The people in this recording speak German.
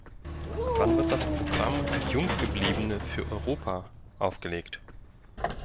Wann wird das Programm "Junggebliebene für Europa" aufgelegt?